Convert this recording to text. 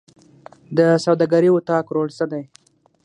د سوداګرۍ اتاق رول څه دی؟